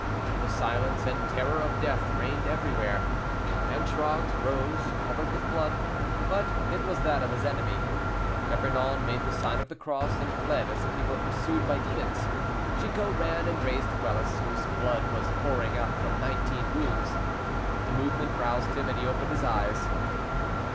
The silence and terror of death reigned everywhere. Antragues rose, covered with blood, but it was that of his enemy. D'Epernon made the sign of the cross, and fled as if he were pursued by demons. Chicot ran and raised Quelus, whose blood was pouring out from nineteen wounds. The movement roused him, and he opened his eyes.